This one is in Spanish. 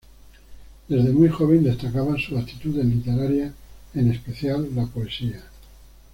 Desde muy joven destacaban sus aptitudes literarias, en especial la poesía.